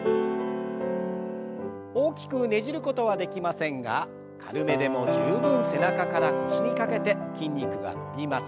大きくねじることはできませんが軽めでも十分背中から腰にかけて筋肉が伸びます。